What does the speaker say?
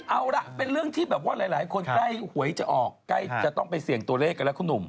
เอาล่ะเป็นเรื่องที่แบบว่าหลายคนใกล้หวยจะออกใกล้จะต้องไปเสี่ยงตัวเลขกันแล้วคุณหนุ่ม